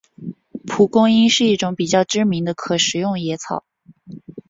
蒲公英是一种比较知名的可食用野草。